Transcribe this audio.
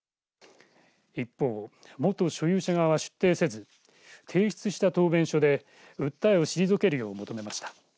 一方、元所有者側は出廷せず提出した答弁書で訴えを退けるよう求めました。